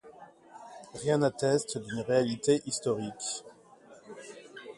Rien n'atteste d'une réalité historique.